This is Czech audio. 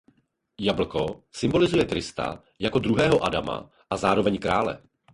Jablko symbolizuje Krista jako druhého Adama a zároveň krále.